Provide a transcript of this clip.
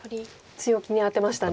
強気にアテましたね。